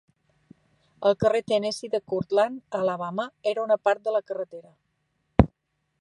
El carrer Tennessee de Courtland, Alabama, era una part de la carretera.